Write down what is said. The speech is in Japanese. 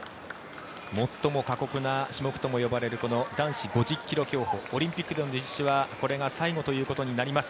最も過酷な種目とも呼ばれるこの男子５０ｋｍ競歩オリンピックでの実施はこれが最後ということになります。